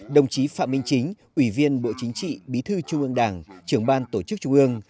đồng chí phạm minh chính ủy viên bộ chính trị bí thư trung ương đảng trưởng ban tổ chức trung ương